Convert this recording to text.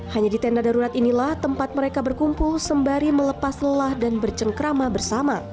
hanya di tenda darurat inilah tempat mereka berkumpul sembari melepas lelah dan bercengkrama bersama